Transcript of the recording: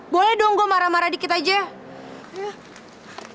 boleh dong gue marah marah dikit aja